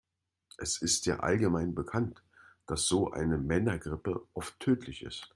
Es ist ja allgemein bekannt, dass so eine Männergrippe oft tödlich ist.